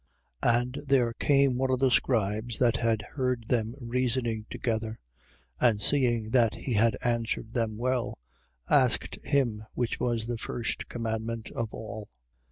12:28. And there came one of the scribes that had heard them reasoning together, and seeing that he had answered them well, asked him which was the first commandment of all.